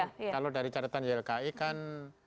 kalau dari catatan ylki kan